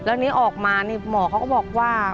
แล้วนี้ออกมานี่หมอเขาก็บอกว่า